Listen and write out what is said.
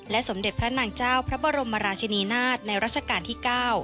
สมเด็จพระนางเจ้าพระบรมราชินีนาฏในรัชกาลที่๙